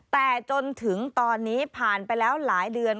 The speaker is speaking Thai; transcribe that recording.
แต่จนถึงตอนนี้ผ่านไปแล้วหลายเดือน